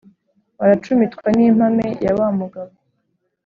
baracumitwa n’impame ya wa mugabo,